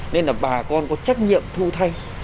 nên là bà con có trách nhiệm thu thay